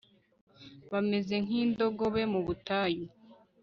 bameze nk'indogobe mu butayu